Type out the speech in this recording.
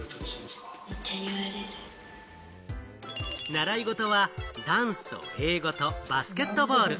習い事はダンスと英語とバスケットボール。